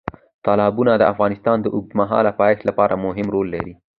تالابونه د افغانستان د اوږدمهاله پایښت لپاره مهم رول لري.